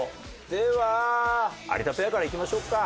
では有田ペアからいきましょうか。